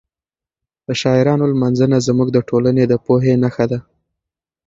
د شاعرانو لمانځنه زموږ د ټولنې د پوهې نښه ده.